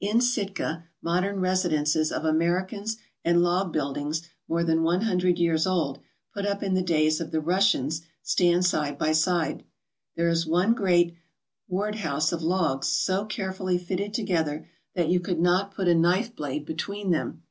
In Sitka modern residences of Americans and log build ings more than one hundred years old, put up in the days of the Russians, stand side by side. There is one great warjl 33 ALASKA OUR NORTHERN WONDERLAND house of logs so carefully fitted together that you could not put a knife blade between them.